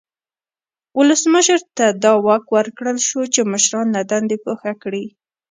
ولسمشر ته دا واک ورکړل شو چې مشران له دندې ګوښه کړي.